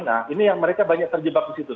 nah ini yang mereka banyak terjebak di situ